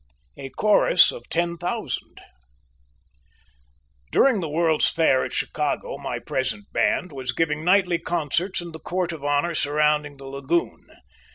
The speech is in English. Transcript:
A Chorus of Ten Thousand. During the World's Fair at Chicago my present band was giving nightly concerts in the Court of Honor surrounding the lagoon.